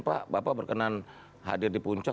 pak bapak berkenan hadir di puncak